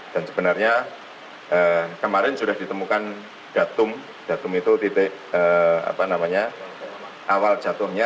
dan sebenarnya kemarin sudah ditemukan datum datum itu titik awal jatuhnya